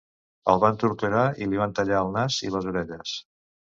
El van torturar i li van tallar el nas i les orelles.